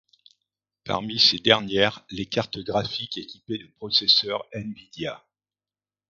Parmi ces dernières, les cartes graphiques équipées de processeurs nVidia.